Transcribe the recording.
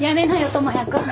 智也君。